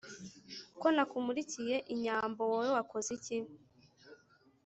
Ko nakumurikiye inyambo, wowe wakoze iki